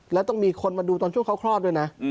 แล้วต้องมีคนมาดูตอนช่วงเขาคลอดด้วยนะ